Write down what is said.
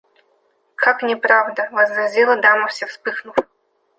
– Как неправда! – возразила дама, вся вспыхнув.